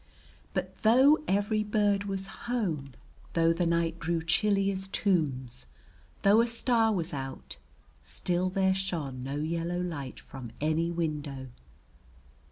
But though every bird was home, though the night grew chilly as tombs, though a star was out, still there shone no yellow light from any window.